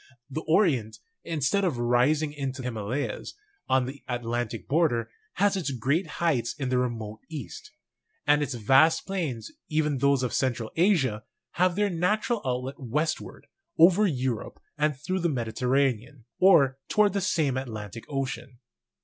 The Orient, instead of rising into Himalayas on the Atlantic border, has its great heights in the remote east; and its vast plains, even those of Central Asia, have their natural outlet westward, over Europe and through the Mediterranean, or toward the same Atlantic Ocean.